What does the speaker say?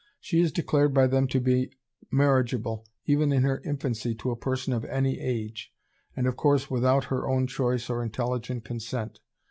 She is declared by them to be marriageable, even in her infancy, to a person of any age; and of course without her own choice or intelligent consent....